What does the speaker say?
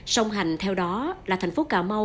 sông hành theo đó là thành phố cà mau